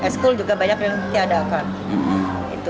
sekolah juga banyak yang ditiadakan